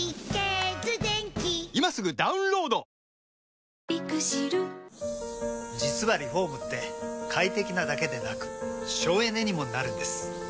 そのため実はリフォームって快適なだけでなく省エネにもなるんです。